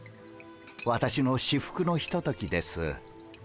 私の至福のひとときです。